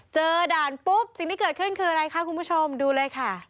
ด่านปุ๊บสิ่งที่เกิดขึ้นคืออะไรคะคุณผู้ชมดูเลยค่ะ